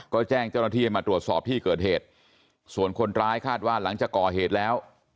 ก็แจ้งเจ้าหน้าที่ให้มาตรวจสอบที่เกิดเหตุส่วนคนร้ายคาดว่าหลังจากก่อเหตุแล้ว